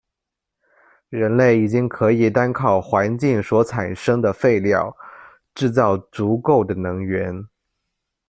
人类已经可以单靠环境所产生的废料，制造足够的能源。